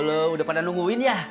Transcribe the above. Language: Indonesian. udah pada nungguin ya